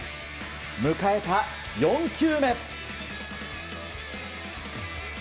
迎えた４球目。